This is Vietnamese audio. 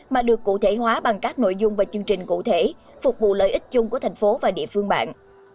mà được cụ thể hóa bằng các nội dung và chương trình cụ thể phục vụ lợi ích chung của thành phố và địa phương bạn